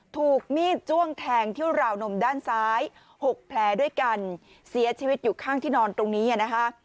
ถูกมีดจ้วงแทงที่ราวนมด้านซ้ายหกแผลด้วยกันเสียชีวิตอยู่ข้างที่นอนตรงนี้นะคะ